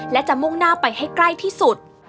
และจะมุ่งหน้าไปให้ใกล้ที่สุด